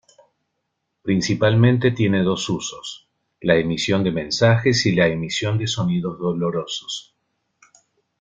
Principalmente tiene dos usos: la emisión de mensajes y la emisión de sonidos dolorosos.